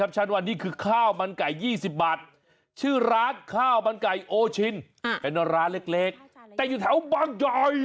ว่านี่คือข้าวมันไก่๒๐บาทชื่อร้านข้าวมันไก่โอชินเป็นร้านเล็กแต่อยู่แถวบางยอย